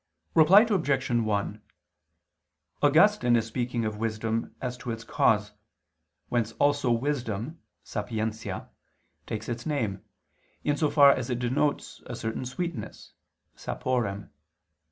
Reply Obj. 1: Augustine is speaking of wisdom as to its cause, whence also wisdom (sapientia) takes its name, in so far as it denotes a certain sweetness (saporem).